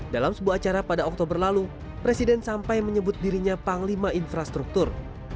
dalam sebuah acara pada oktober lalu presiden sampai menyebut dirinya panglima infrastruktur